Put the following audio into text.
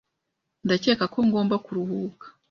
Ndakeka ko ngomba kuruhuka.